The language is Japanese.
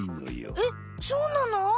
えっそうなの？